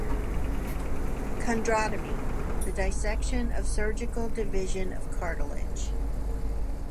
"Chondrotomy" - the dissection or surgical division of cartilage.